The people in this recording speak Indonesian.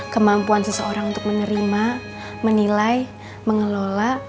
kemampuan seseorang untuk menerima menilai mengelola